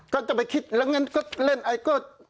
เพราะจะไปคิดแล้วก็เล่นกิน